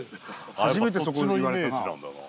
初めてそこ言われたなぁ。